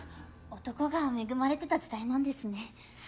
男が恵まれてた時代なんですね。